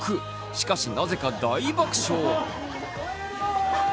しかし、なぜか大爆笑。